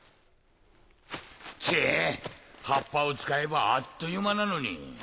チェッハッパを使えばあっという間なのに。